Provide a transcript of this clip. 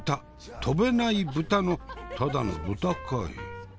飛べない豚のただの豚かい。